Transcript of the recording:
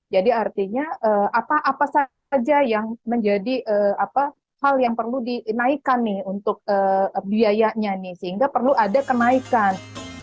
jadi artinya apa saja yang menjadi hal yang perlu dinaikkan untuk biayanya sehingga perlu ada kenaikan